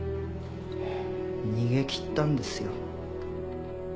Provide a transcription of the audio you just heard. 逃げ切ったんですよ。